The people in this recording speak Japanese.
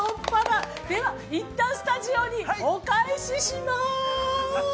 では、一旦スタジオに、お返しします。